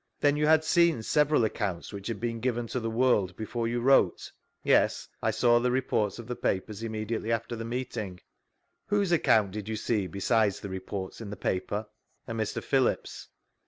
Then you had seen several accounts which had been given to the world before you wrote?— Yes, I saw the reports of the papers immediately after the vGoogIc 34 THREE ACCOUNTS OF PETERLOO Whose account did you see, besides the teports in the p^ier?— A Mr. Phillips's.